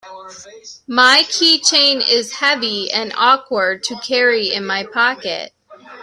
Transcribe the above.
My keychain is heavy and awkward to carry in my pocket.